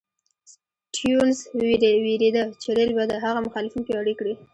سټیونز وېرېده چې رېل به د هغه مخالفین پیاوړي کړي.